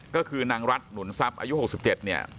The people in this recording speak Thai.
ก็คือนางรัฐหนุนทรัพย์อายุ๖๗เนี่ย